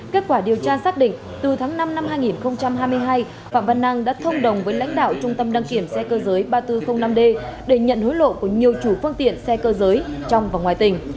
kết quả điều tra xác định từ tháng năm năm hai nghìn hai mươi hai phạm văn năng đã thông đồng với lãnh đạo trung tâm đăng kiểm xe cơ giới ba nghìn bốn trăm linh năm d để nhận hối lộ của nhiều chủ phương tiện xe cơ giới trong và ngoài tỉnh